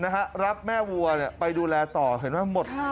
รับแม่วัวไปดูแลต่อเห็นไหมหมด